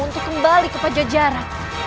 untuk kembali ke pajajaran